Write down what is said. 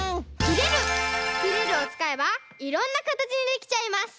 「きれる」をつかえばいろんなかたちにできちゃいます！